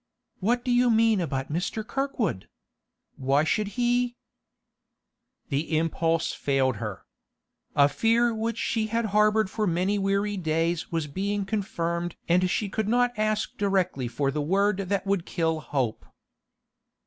What do you mean about Mr. Kirkwood? Why should he—' The impulse failed her. A fear which she had harboured for many weary days was being confirmed and she could not ask directly for the word that would kill hope.